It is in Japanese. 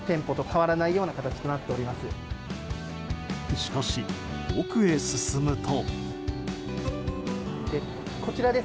しかし、奥へ進むと。